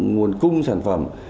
nguồn cung sản phẩm